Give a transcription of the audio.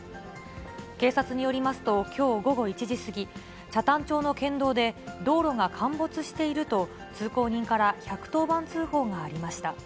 警察によりますと、きょう午後１時過ぎ、北谷町の県道で、道路が陥没していると、通行人から１１０番通報がありました。